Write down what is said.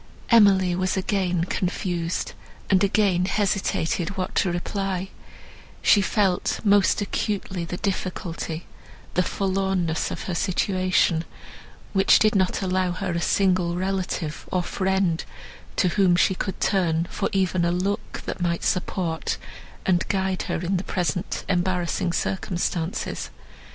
Emily was again confused, and again hesitated what to reply; she felt most acutely the difficulty—the forlornness of her situation, which did not allow her a single relative, or friend, to whom she could turn for even a look, that might support and guide her in the present embarrassing circumstances.